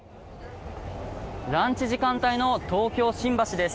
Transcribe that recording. ランチ時間明けの東京・新橋です。